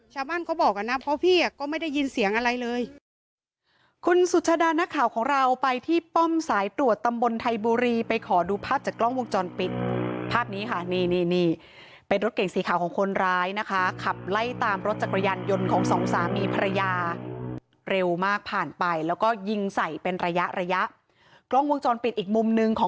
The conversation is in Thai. เขาบอกกันนะเพราะพี่อ่ะก็ไม่ได้ยินเสียงอะไรเลยคุณสุชาดานักข่าวของเราไปที่ป้อมสายตรวจตำบลไทยบุรีไปขอดูภาพจากกล้องวงจรปิดภาพนี้ค่ะนี่นี่เป็นรถเก่งสีขาวของคนร้ายนะคะขับไล่ตามรถจักรยานยนต์ของสองสามีภรรยาเร็วมากผ่านไปแล้วก็ยิงใส่เป็นระยะระยะกล้องวงจรปิดอีกมุมหนึ่งของ